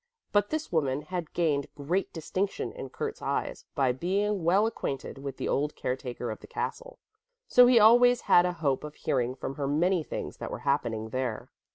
But this woman had gained great distinction in Kurt's eyes by being well acquainted with the old caretaker of the castle; so he always had a hope of hearing from her many things that were happening there.